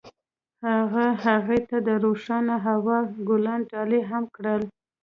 هغه هغې ته د روښانه هوا ګلان ډالۍ هم کړل.